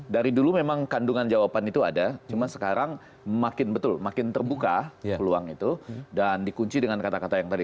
dari dulu memang kandungan jawaban itu ada cuma sekarang makin betul makin terbuka peluang itu dan dikunci dengan kata kata yang tadi